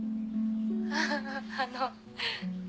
あぁあの。